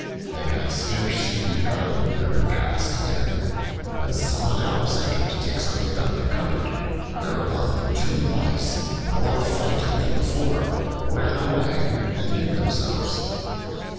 They had scarcely begun their repast again when someone else entered to take something out of a cupboard, whereupon the two Mice, more frightened than before, ran away and hid themselves.